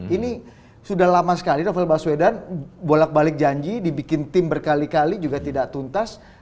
ini sudah lama sekali novel baswedan bolak balik janji dibikin tim berkali kali juga tidak tuntas